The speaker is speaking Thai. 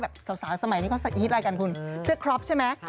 สาวสมัยนี้เขาสอีทอะไรกันคุณเสื้อครอปใช่ไหม